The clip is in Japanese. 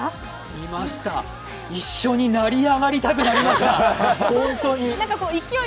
見ました、一緒に成り上がりたくなりました、本当に。